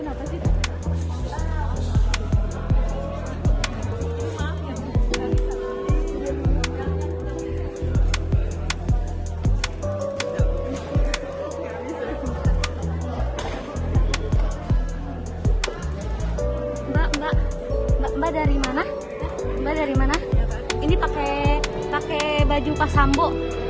enggak enggak enggak dari mana mana dari mana ini pakai pakai baju pasambo